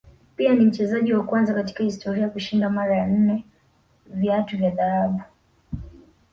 pia ni mchezaji wa kwanza katika historia kushinda mara nne viatu vya dhahabu